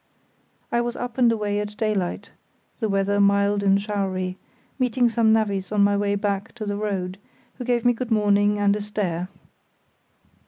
I was up and away at daylight (the weather mild and showery), meeting some navvies on my way back to the road, who gave me good morning and a stare.